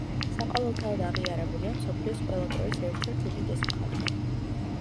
საყოველთაოდ აღიარებულია მსოფლიოს ყველა დროის ერთ-ერთ უდიდეს მხატვრად.